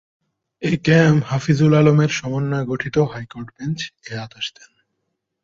কে M Hafizul আলমের সমন্বয়ে গঠিত হাইকোর্ট বেঞ্চ এ আদেশ দেন।